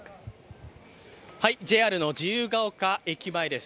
ＪＲの自由が丘駅前です。